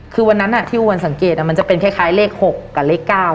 คือวันนั้นที่อวนสังเกตมันจะเป็นคล้ายเลข๖กับเลข๙